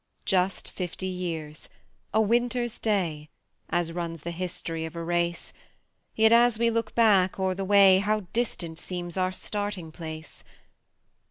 Just fifty years a winter's day As runs the history of a race; Yet, as we look back o'er the way, How distant seems our starting place!